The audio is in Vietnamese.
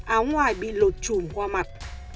áo ngoài bị lột chùm qua mặt